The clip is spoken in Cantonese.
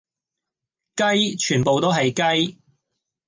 雞，全部都係雞